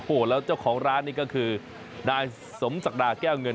โอ้โหแล้วเจ้าของร้านนี่ก็คือนายสมศักดาแก้วเงิน